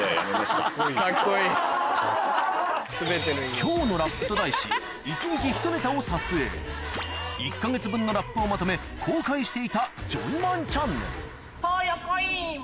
「今日のラップ」と題し１日１ネタを撮影１か月分のラップをまとめ公開していたジョイマンチャンネル